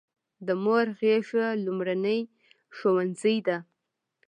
د مور غیږه لومړنی ښوونځی دی.